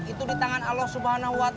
itu di tangan allah swt